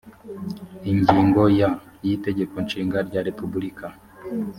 ingingo ya y itegeko nshinga rya repubulika